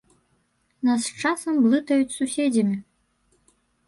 Нас часам блытаюць з суседзямі.